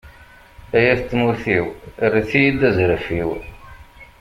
Ay at tmurt-iw, erret-iyi-d azref-iw.